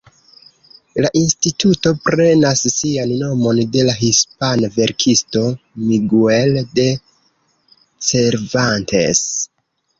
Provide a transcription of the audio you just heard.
La instituto prenas sian nomon de la hispana verkisto Miguel de Cervantes.